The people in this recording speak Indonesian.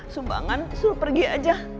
sumbangan suruh pergi aja